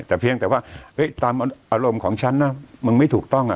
แต่เพียงแต่ว่าตามอารมณ์ของฉันนะมึงไม่ถูกต้อง